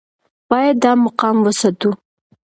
باید دا مقام وساتو.